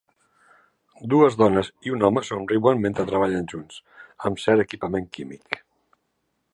Dues dones i un home somriuen mentre treballen junts amb cert equipament químic.